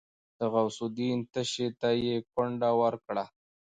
د غوث الدين تشي ته يې ګونډه ورکړه.